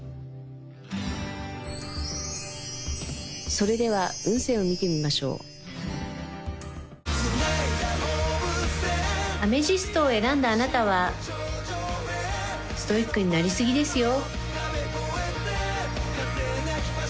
それでは運勢を見てみましょうアメジストを選んだあなたはストイックになりすぎですよ